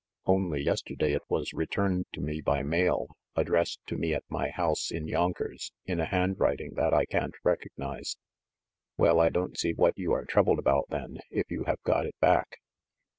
Only yesterday it was re turned to me by mail, addressed to me at my house in Yonkers, in a handwriting that I can't recognize." "Well, I don't see what you are troubled about, then, if you have got it back."